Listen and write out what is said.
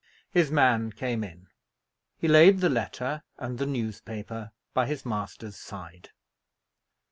His man came in. He laid the letter and the newspaper by his master's side.